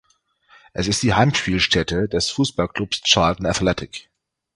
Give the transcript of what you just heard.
Es ist die Heimspielstätte des Fußballclubs Charlton Athletic.